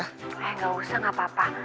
eh gak usah gak papa